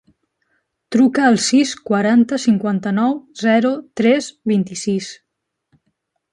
Truca al sis, quaranta, cinquanta-nou, zero, tres, vint-i-sis.